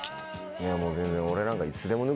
いやもう全然。